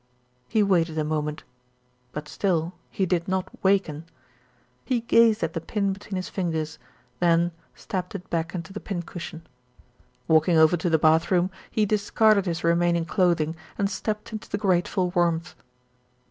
He waited a moment; but still he did not awaken. He gazed at the pin between his fingers, then stabbed it back into the pin cushion. Walking over to the bath room, he discarded his re maining clothing, and stepped into the grateful warmth.